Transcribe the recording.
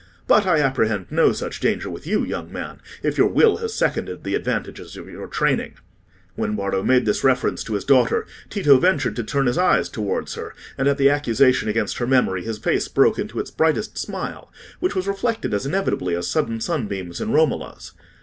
But I apprehend no such danger with you, young man, if your will has seconded the advantages of your training." When Bardo made this reference to his daughter, Tito ventured to turn his eyes towards her, and at the accusation against her memory his face broke into its brightest smile, which was reflected as inevitably as sudden sunbeams in Romola's.